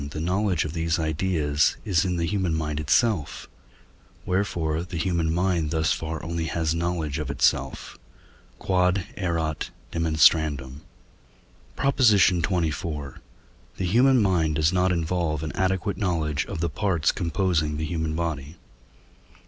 the knowledge of these ideas is in the human mind itself; wherefore the human mind thus far only has knowledge of itself. Q.E.D. PROP. XXIV. The human mind does not involve an adequate knowledge of the parts composing the human body.